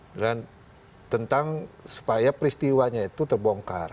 dan tentang supaya peristiwanya itu terbongkar